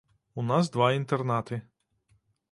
У нас два інтэрнаты.